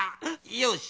よし！